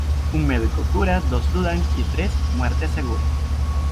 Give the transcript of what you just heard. Un médico cura, dos dudan y tres muerte segura.